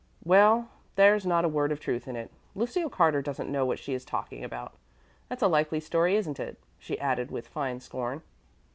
Well, there's not a word of truth in it. Lucille Carter doesn't know what she is talking about. That's a likely story, isn't it?" she added with fine scorn.